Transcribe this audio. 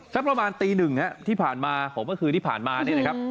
สักประมาณตีหนึ่งฮะที่ผ่านมาของเมื่อคืนที่ผ่านมาเนี่ยนะครับ